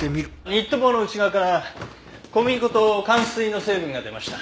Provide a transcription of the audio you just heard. ニット帽の内側から小麦粉とかん水の成分が出ました。